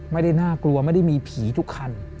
ไม่ได้น่ากลัวไม่ได้มีผีทุกคัน